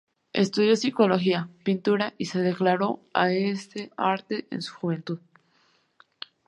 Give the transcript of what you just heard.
Estudió psicología, pintura y se dedicó a este arte en su juventud.